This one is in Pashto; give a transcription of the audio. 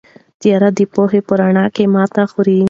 تیاره د پوهې په وړاندې ماتې خوري.